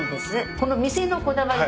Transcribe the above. この店のこだわりだから。